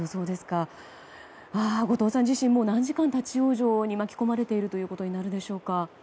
後藤さん自身も何時間、立ち往生に巻き込まれていることになるでしょうか？